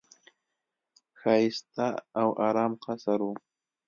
ښایسته او آرام قصر وو.